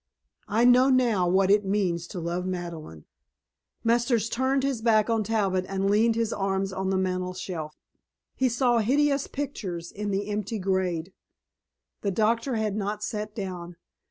I know now what it means to love Madeleine." Masters turned his back on Talbot and leaned his arms on the mantel shelf. He saw hideous pictures in the empty grate. The doctor had not sat down.